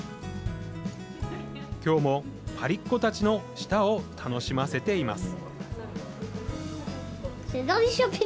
きょうもパリっ子たちの舌を楽しませています。